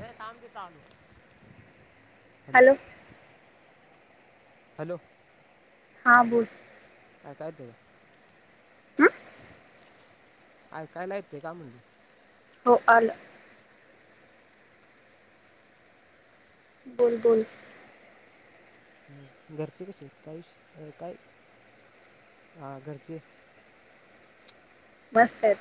र कामचे तलु [inaudible] hello. Hello. हा बोल. काय चालू हं आकायला येत नाही का म्हणलं. हो आलं. बोल-बोल. हम घरचे कसे आहेत. काही विषय काय हा घरचे. मस्त आहेत.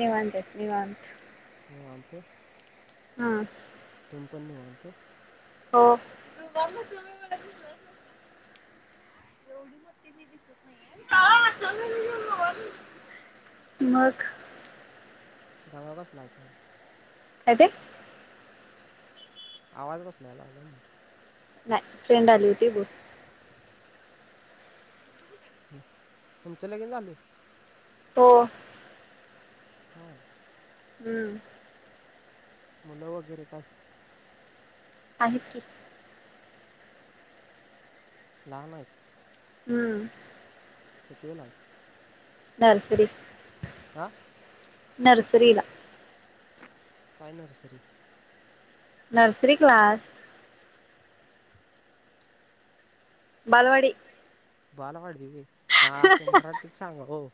निवांतच-निवांत. निवांत. हम. तू पन निवांत. हो. एवढी मस्ती मी दिसत नाहीे. [inaudible] मग. दांा गस लागकरल [unintelligible] काय ते? आवाज कसला या लागलाय म्हटलं? नाही, फ्रेंड आली होती बोल. तुमचं लगीन झालंय? हो. हम्म. हम्म. मुलं वगैरे काय? आहेत की. लहान आहेत. हम्म. कितवीला आहेत? नर्सरी आ? नर्सरीला. काय नर्सरी? Nursery class. बालवाडी. बालवाडी व्हे, हा असं म्हराठीत सांगा ओ.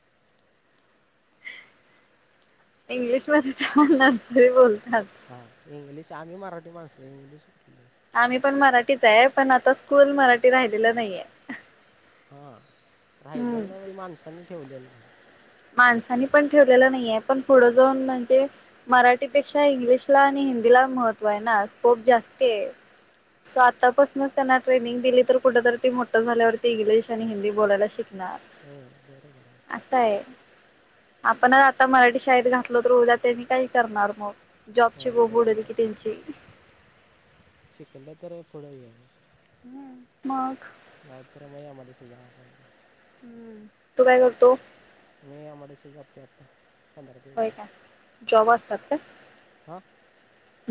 इंग्लिश मध्ये तेला नर्सरी बोलतात. हां इंग्लिश आम्ही मराठी माणसं, इंग्लिश कुठलं? आम्ही पण मराठीच हाय पण आता स्कूल मराठी राहिलेलं नाहीये. हा, हम्म राहिलेलं नाही म्हजे माणसांनी ठेवलेलं नाही. माणसानी पण ठेवलेला नाहीय. पण पुढ जाऊन म्हणजे मराठीपेक्षा इंग्लिशला आणि हि- हंदीला महत्त्व आहे ना स्कोप जास्त आहे. सो आतापासूनच त्यांना ट्रेनिंग दिली तर कुठरी ती मोठं झाल्यावर इंग्लिश आणि हिंदी बोलायला शितील. ना होय बरोबर असं आहे. आपण आता मराठी शाळेत घातलो तर उद्या त्यांनी काही करणार मग. जॉबची होय बोंब उडल की त्यांची. शिकल्या तर पुढ हे आहे. ह मग. [unintelligible] हम्म तू काय करतो. मी आमआय डी सि ला जातोय आता पंधरा दिवस होय झाल. का जॉब असतात काय? हा!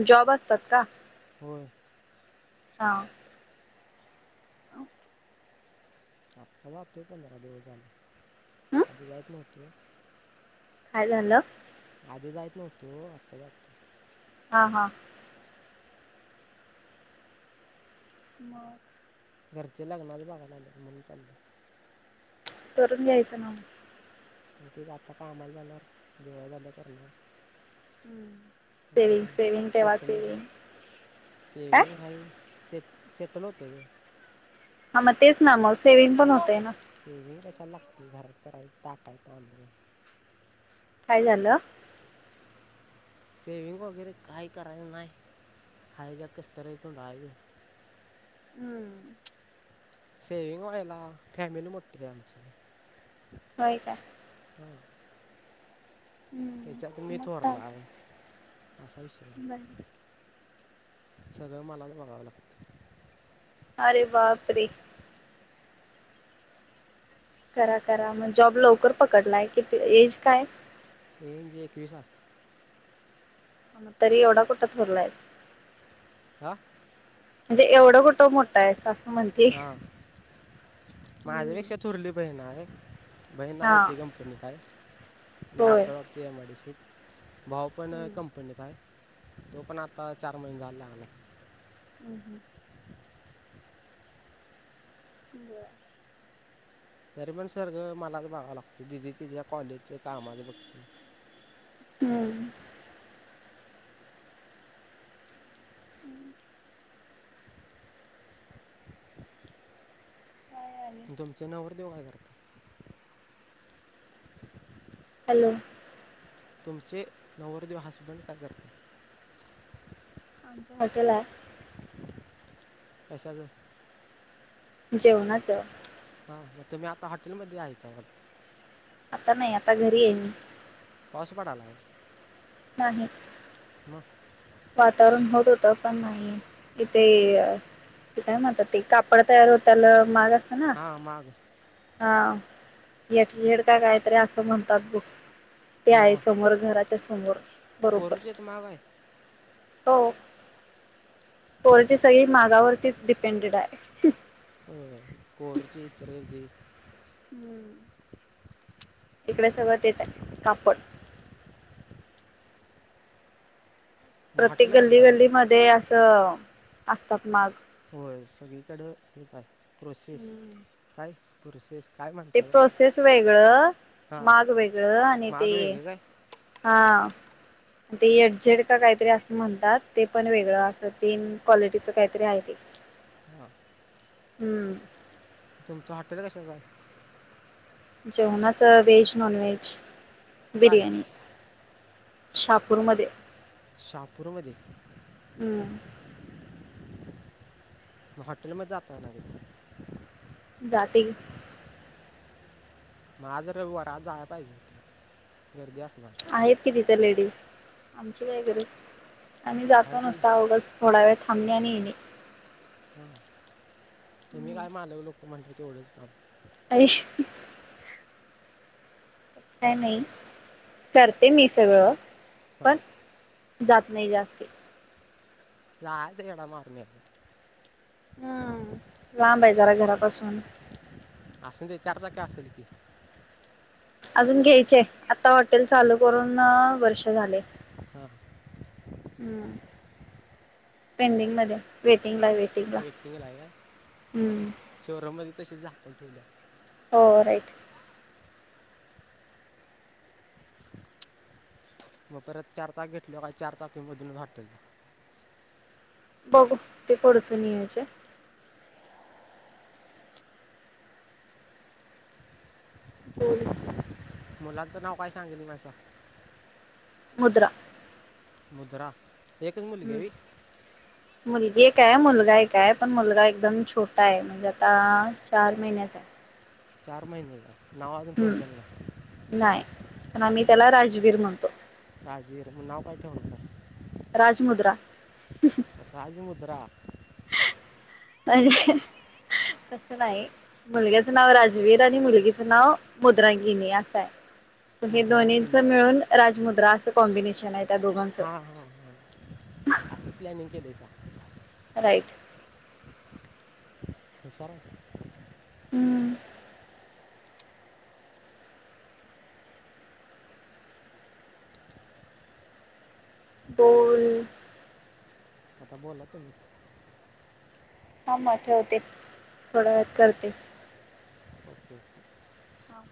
जॉब असतात का? होय. हा. ओके आता जातोय पंधरा दिवस झाले आधी जाइत नव्हतो. काय झालं? आधी जायच नव्हतो आता जाततोय. हा, हा. मग. घरचे लग्नाच बघायला आले तर म्हणून चालले. करून घ्यायचं ना. मग तेच आता कामाला जाणार दिवाळी झाल्या करणार. हम्म ओके स सेटलच होतोय काय सेविंग हाई. सेटल होतोय. हा मग तेच ना मग सेविंग पण होतेय ना. सेविंग कशाला लागते घरात कराय टाकाय तांदूळ. काय झालं? सेविंग वगैरे काही करायच नाही हाय हेझ्यात कसतरा गुंडायचं. हम्म सेविंग व्हायला फॅमिली मोठी आहे आमची. होय का. हा. त्याच्यात हम्म मी मग थोरला आहे चालत असा विषय.. बर सगळं मलाचं बघावं लागतं. अरे बापरे! करा करा मग जॉब लवकर पकडलाय. कि एज काय? एज जे एकवीस आहे. ह तरी एवढा कुठं थोरलाईस. आा. म्हणजे एवढं कुठं मोठं आहे स असं म्हणते. हां माझ्यापेक्षा चुरली बहिण आहे. बहीण हा आयटी कंपनीत हाय मी होय आता जातोय एमआयडीशित. भाऊ पण कंपनीत हाय तो पण आता चार महिने झाल लागलाय. हम् हम् बर तरी पण सगळ मलाच बघाय लागतंय दिदी तिझ्या कॉलेज कामाच बघते. हम्म तुमच नवरदेव काय करत्यात. हॅलो! तुमचे नवरदेव हसबंड काय करत्यात. आमच हॉटेल आहे. कश्याच? जेवणाचं. ह तुम्ही मग आता हॉटेल मध्येच हायसा वाटतं. आता नाही आता घरी आहे मी. पाऊस पडायलाय. नाही. मग. वातावरण होत-होत पण नाही. इथे. ते काय म्हणत्यात ते कापड तयार होत्याल माग अस हा माग. हा येएझेट काय. कायतर अस म्हणतात बग. ते आहे. समोर घराच्या समोर. बरोबर कोरोचीत माग हाईत. हो. कोरोचीत सगळी मागावरतीच डिपेंडेड आहेत. हो कोरची इचलकरंजी. हम्म. इकड सगळं तेच हाय कापड. मग प्रत्येक हॉटेल कसलं गल्ली आहे गल्ली तुमचं मध्ये असं असतात माग. होय सगळीकडं हेच आहे. प्रोसेस काय प्रोसेस काय ते म्हणतात प्रोसेस वेगळं, हां माग वेगळं आणि माग ते वेगळं काय हां. [inaudible] ते येडझेड का काहीतरी असं म्हणतात, ते पण वेगळं असं तीन क्वालिटीच काहीतरी आहे ते. हा. हम्म. तुमचं हॉटेल कश्याच हाय? जेवणाच, व्हेज नॉन व्हेज कुठं बिर्याणी. आहे शापूरमध्ये शहापूरमध्ये. हम्म म हॉटेल म जाताय नाय कदी? जाते गी. मग आज रविवार जाया पाहिजे हुतं, गर्दी असणार. त्या लेडीस, आमची काय गरज, आम्ही आहे जातो तुम्ही नसता उगज थोड्या वेळ थामणे आणि येणे. हा, तुम्ही काय मालक लोकं म्हटल्यावर तेवढंच काम. अरे तसं काय नाही, करते मी सगळं. पण हा. जात नाही जास्त. जायाचं येडा मारून याचं. हम्म लांब आहे जरा घरापासून असुदे, चारचाकी असल की. अजून घ्यायचे. आता हॉटेल चालू करून वर्ष झाले. हा. हम्म पेंडिंग मध्ये वेट. वेटिंग ला. वेटींग वेटिंगला आहे हम्म. तसेच झाकून ठेवल्यात. हो राईट. मग परत चार चाक घेतली. काही चार चाकी मधूनच हटल. बघू ते फूडच नियोजन. बोलू. मुलांचं नाव काय सांगितल नाही सां. मुद्रा. मुद्रा. एकच मुलगी आहे व्हय. हम्म मुलगी एक हाय. मुलगा एक हाय. पण मुलगा एकदम छोटा आहे म्हणजे आता चार महिचा आहे. चार महिने हम्म नाही प आम्ही नाही त्याला राजवीर म्हणतो. तर नाव काय ठेवणत आहे. राजमुद्रा. राजमुद्रा. [unintelligible] तसं नाही मुलग्याचं नाव राजवीर आणि मुलगीचं नाव मुद्रगिनी असं आहे. हे दोन्च मुद्रांगिनी मिळून राजमुद्रा असं कॉम्बिनेशन आहे. त्या दोघांचं हा हा हा असं प्लॅनिंग केलयसा. राईट. हुशार आहेस. हम्म. बोल. आता बोला तुम्हीच. हा म ठेवते थोड्या वेळात करते. Okay okay. हां.